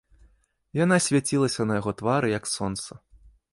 Яна свяцілася на яго твары, як сонца.